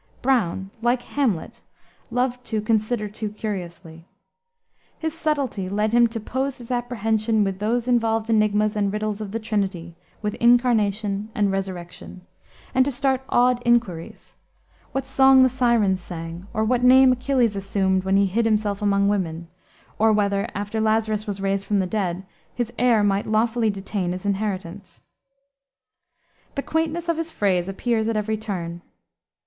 Browne, like Hamlet, loved to "consider too curiously." His subtlety led him to "pose his apprehension with those involved enigmas and riddles of the Trinity with incarnation and resurrection;" and to start odd inquiries; "what song the Syrens sang, or what name Achilles assumed when he hid himself among women;" or whether, after Lazarus was raised from the dead, "his heir might lawfully detain his inheritance." The quaintness of his phrase appears at every turn.